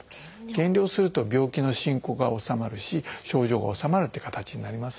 減量すると病気の進行が治まるし症状が治まるっていう形になりますんで。